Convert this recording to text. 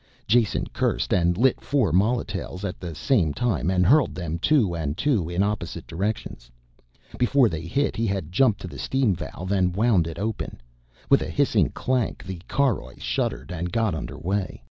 Jason cursed and lit four molotails at the same time and hurled them two and two in opposite directions. Before they hit he had jumped to the steam valve and wound it open; with a hissing clank the caroj shuddered and got underway.